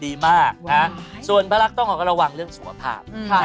ดีมากส่วนพระรักษ์ต้องระวังเรื่องสุขภาพ